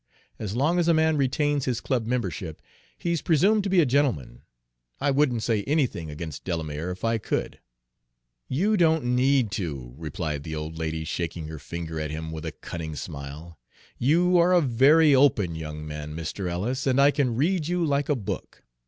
As long as a man retains his club membership, he's presumed to be a gentleman. I wouldn't say anything against Delamere if I could." "You don't need to," replied the old lady, shaking her finger at him with a cunning smile. "You are a very open young man, Mr. Ellis, and I can read you like a book.